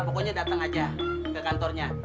pokoknya datang aja ke kantornya